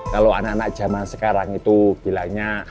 kalau anak anak zaman sekarang itu bilangnya